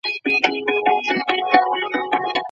هڅونه د زده کوونکي لیوالتیا ډیروي.